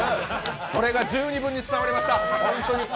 それが十二分に伝わりました、本当に。